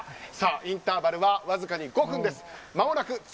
インターバルはわずかに５分です。